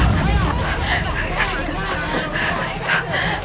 kasih tak kasih tak kasih tak